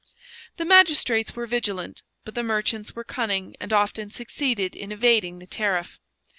The magistrates were vigilant, but the merchants were cunning and often succeeded in evading the tariff.